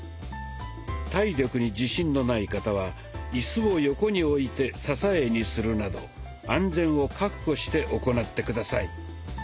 体力に自信のない方はイスを横に置いて支えにするなど安全を確保して行って下さい。